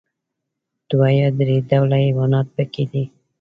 دوه یا درې ډوله حيوانات پکې دي.